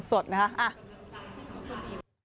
สดนะครับ